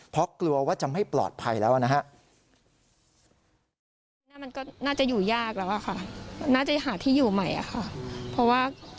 เพราะกลัวว่าจะไม่ปลอดภัยแล้วนะฮะ